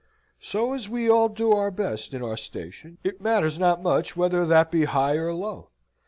So as we all do our best in our station, it matters not much whether that be high or low.